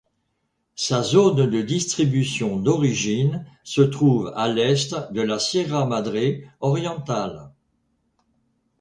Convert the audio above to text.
Sa zone de distribution d’origine se trouve à l'est de la Sierra Madre orientale.